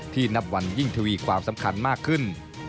นับวันยิ่งทวีความสำคัญมากขึ้น